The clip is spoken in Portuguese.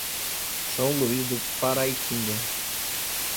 São Luiz do Paraitinga